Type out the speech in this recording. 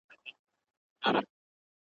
اجمل خټک وويل چي